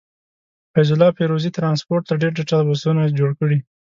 فيض الله فيروزي ټرانسپورټ ته ډير ډيټابسونه جوړ کړي.